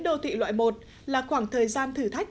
đô thị loại một là khoảng thời gian thử thách